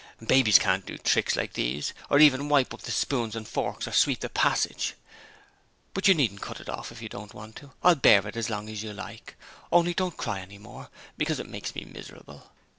Babies can't do tricks like these or even wipe up the spoons and forks or sweep the passage. But you needn't cut it off if you don't want to. I'll bear it as long as you like. Only don't cry any more, because it makes me miserable.